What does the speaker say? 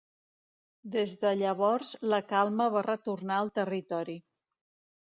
Des de llavors la calma va retornar al territori.